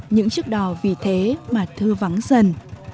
những chiếc đò vì thế mà thư vắng dần